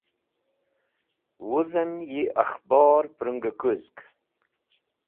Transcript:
Wuzem yi Akhbor Purungekuzg